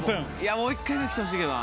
もう一回来てほしいけどな。